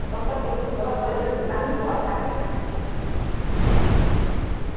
সংসদ অধিবেশন চলার সময় পর্যন্ত এ জামিন বহাল থাকবে।